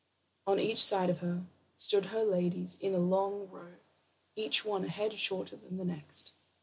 On each side of her stood her ladies in a long row, each one a head shorter than the next.